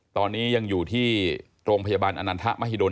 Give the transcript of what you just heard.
ตอนนี้ยังอยู่ที่โรงพยาบาลอนันทะมหิดล